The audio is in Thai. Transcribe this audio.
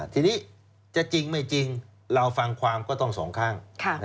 ทีนี้จะจริงไม่จริงเราฟังความก็ต้องสองข้าง